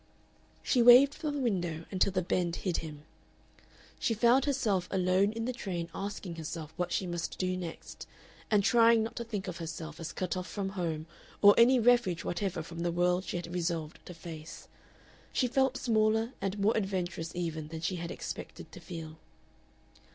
She waved from the window until the bend hid him. She found herself alone in the train asking herself what she must do next, and trying not to think of herself as cut off from home or any refuge whatever from the world she had resolved to face. She felt smaller and more adventurous even than she had expected to feel.